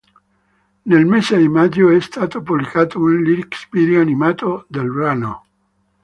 Nel mese di maggio è stato pubblicato un lyrics video animato del brano.